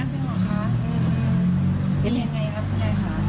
เป็นยังไงครับคุณใหญ่ค่ะ